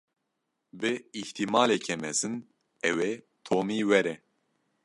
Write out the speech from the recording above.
Bi îhtîmaleke mezin ew ê Tomî were.